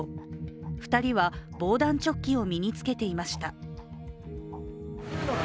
２人は防弾チョッキを身につけていました。